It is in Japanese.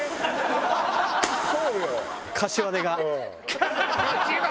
そうよ。